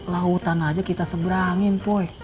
lautan aja kita seberangin poin